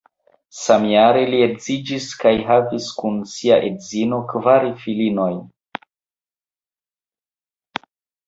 Samjare li edziĝis kaj havis kun sia edzino kvar filinojn.